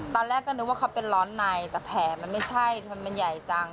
ตอนแรกก็นึกว่าเขาเป็นร้อนไหนแต่แผ่ไม่ใช่มันใหญ่จัง